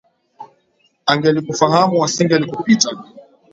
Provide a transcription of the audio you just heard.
Angelikufahamu asingelikupita.